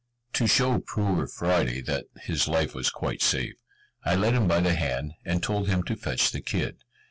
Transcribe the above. To show poor Friday that his life was quite safe, I led him by the hand, and told him to fetch the kid.